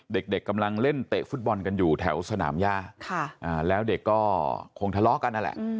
เด็กกำลังเล่นเตะฟุตบอลกันอยู่แถวสนามย่าแล้วเด็กก็คงทะเลาะกันนั่นแหละ